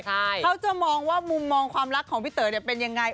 เขาจะมองว่ามุมมองความรักของพี่เต๋อเนี่ยเป็นยังไง